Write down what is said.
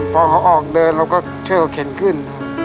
พอเขาออกเดินเราก็ช่วยเขาเข็นขึ้น